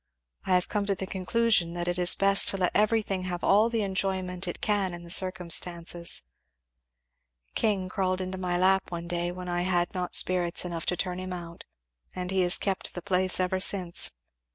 I have come to the conclusion that it is best to let everything have all the enjoyment it can in the circumstances. King crawled into my lap one day when I had not spirits enough to turn him out, and he has kept the place ever since.